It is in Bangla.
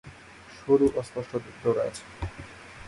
সরু অস্পষ্ট ডোরা আছে।